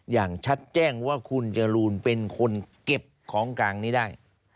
อย่างชัดแจ้งว่าคุณจรูนเป็นคนเก็บของกลางนี้ได้